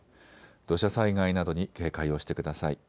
土砂災害などに警戒をしてください。